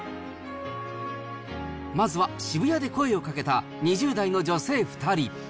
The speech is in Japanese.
まずは渋谷で声をかけた、２０代の女性２人。